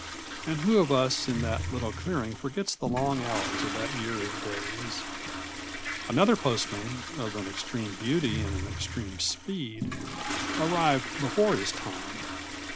And who of us in that little clearing forgets the long hours of that year of days? Another postman, of an extreme beauty and an extreme speed, arrived before his time.